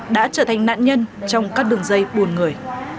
đã trở thành nạn nhân trong các đường dây buồn người